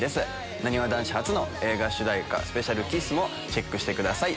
なにわ男子初の映画主題歌『ＳｐｅｃｉａｌＫｉｓｓ』もチェックしてください。